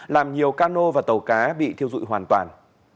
làm nhiều cano và tàu cá bị thiêu dụi hoàn toàn